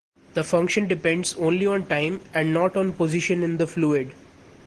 The function depends only on time and not on position in the fluid.